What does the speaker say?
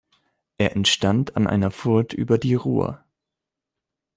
Er entstand an einer Furt über die Ruhr.